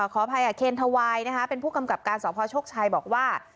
ขอภัยอะเคนธวายนะค่ะเป็นผู้กำกับการสชกชัยบอกว่า